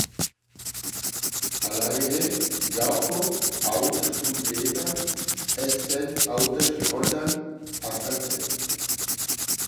Hala ere, gaurko hauteskundeetan ez zen hautes-erroldan azaltzen.